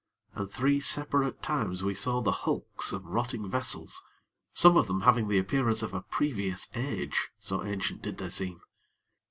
And three separate times we saw the hulks of rotting vessels, some of them having the appearance of a previous age, so ancient did they seem.